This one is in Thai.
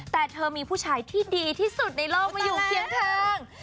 แต่เธอมีผู้ชายที่ดีที่สุดในโลกมาอยู่เคียงเทิง